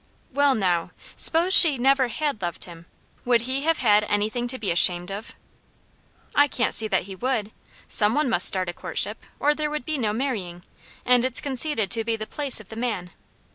"Well, now, 'spose she never had loved him, would he have had anything to be ashamed of?" "I can't see that he would. Some one must start a courtship, or there would be no marrying, and it's conceded to be the place of the man.